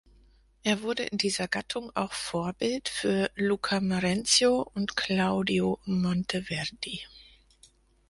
Er wurde in dieser Gattung auch Vorbild für Luca Marenzio und Claudio Monteverdi.